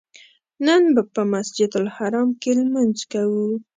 نن به په مسجدالحرام کې لمونځ کوو.